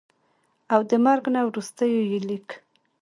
او دَمرګ نه وروستو ئې ليک